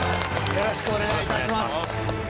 よろしくお願いします。